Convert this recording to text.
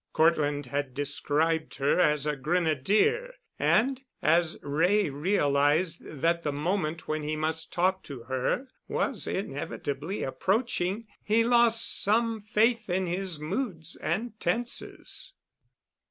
Cortland had described her as a grenadier, and, as Wray realized that the moment when he must talk to her was inevitably approaching, he lost some faith in his moods and tenses.